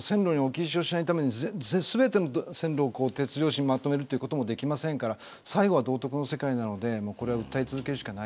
線路に置き石をしないために全ての線路をまとめるということもできませんから最後は道徳の世界なので訴え続けるしかありません。